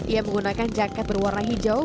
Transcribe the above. ia menggunakan jaket berwarna hijau